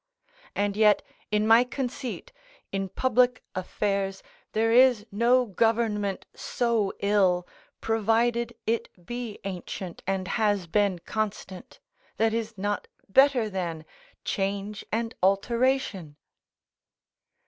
And yet, in my conceit, in public affairs, there is no government so ill, provided it be ancient and has been constant, that is not better than change and alteration.